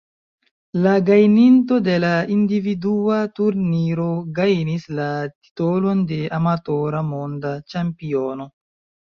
La gajninto de la individua turniro gajnis la titolon de Amatora Monda Ĉampiono.